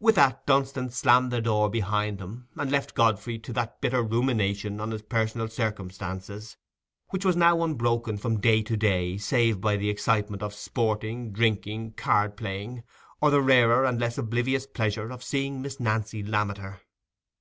With that, Dunstan slammed the door behind him, and left Godfrey to that bitter rumination on his personal circumstances which was now unbroken from day to day save by the excitement of sporting, drinking, card playing, or the rarer and less oblivious pleasure of seeing Miss Nancy Lammeter.